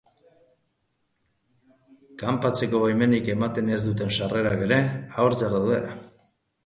Kanpatzeko baimenik ematen ez duten sarrerak ere agortzear daude.